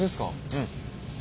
うん。